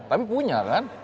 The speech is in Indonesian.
tapi punya kan